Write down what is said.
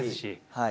はい。